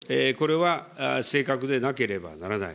行政文書、これは正確でなければならない。